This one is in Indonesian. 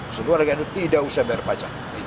seluruh warga itu tidak usah bayar pajak